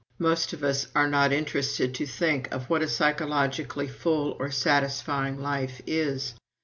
Most of us are not interested to think of what a psychologically full or satisfying life is.